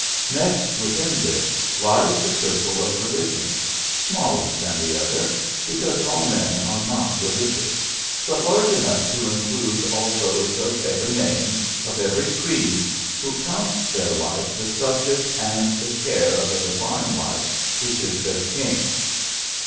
Next within this lies the circle of religion, smaller than the other, be cause all men are not religious, but large enough to include all those of every name, of every creed, who count their life the subject and the care of 58 PHILLIPS BKOOKS a divine life which is their king.